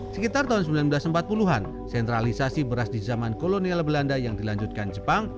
sekitar tahun seribu sembilan ratus empat puluh an sentralisasi beras di zaman kolonial belanda yang dilanjutkan jepang